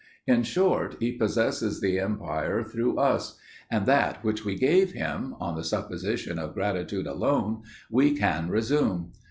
In short, he possesses the empire through us; and that which we gave him, on the supposition of gratitude alone, we can resume.